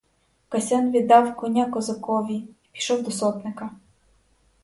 Касян віддав коня козакові й пішов до сотника.